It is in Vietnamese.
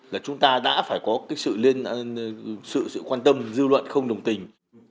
là chúng ta đã phải có cái sự liên sự quan tâm dư luận không đồng tình